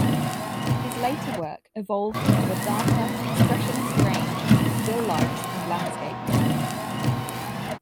His later work evolved into a darker, Expressionist range of still lifes and landscapes.